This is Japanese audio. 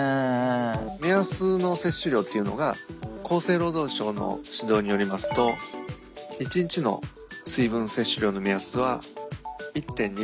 目安の摂取量っていうのが厚生労働省の指導によりますと１日の水分摂取量の目安は１．２Ｌ。